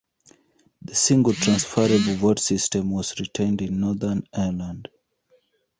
The Single Transferable Vote system was retained in Northern Ireland.